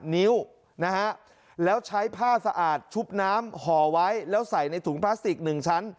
นิ้วนะฮะแล้วใช้ผ้าสะอาดชุบน้ำห่อไว้แล้วใส่ในถุงพลาสติก๑ชั้น